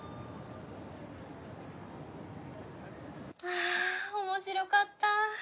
あ面白かった。